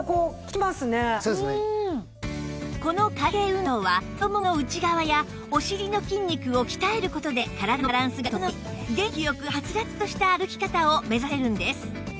この開閉運動は太ももの内側やお尻の筋肉を鍛える事で体のバランスが整い元気よくハツラツとした歩き方を目指せるんです